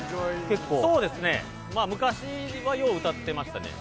結構そうですねまあ昔はよう歌ってましたね